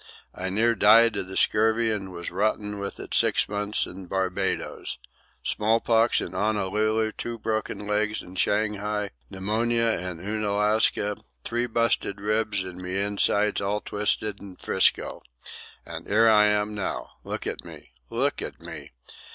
I near died of the scurvy and was rotten with it six months in Barbadoes. Smallpox in 'Onolulu, two broken legs in Shanghai, pnuemonia in Unalaska, three busted ribs an' my insides all twisted in 'Frisco. An' 'ere I am now. Look at me! Look at me!